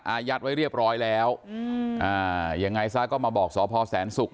ยัดไว้เรียบร้อยแล้วอืมอ่ายังไงซะก็มาบอกสพแสนศุกร์